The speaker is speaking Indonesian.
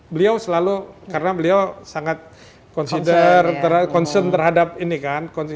beliau selalu karena beliau sangat concern terhadap ini kan